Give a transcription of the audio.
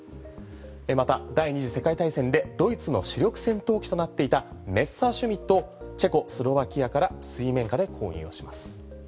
また第２次世界大戦でドイツの主力戦闘機となっていたメッサーシュミットをチェコスロバキアから水面下で購入をします。